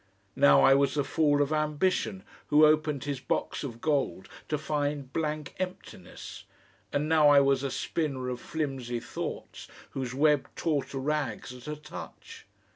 Now I was the fool of ambition, who opened his box of gold to find blank emptiness, and now I was a spinner of flimsy thoughts, whose web tore to rags at a touch.